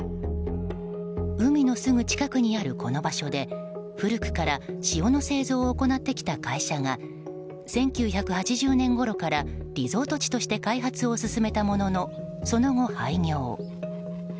海のすぐ近くにある、この場所で古くから塩の製造を行ってきた会社が１９８０年ごろからリゾート地として開発を進めたもののその後、廃業。